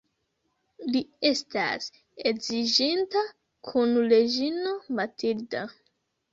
Li estas edziĝinta kun reĝino Matilda.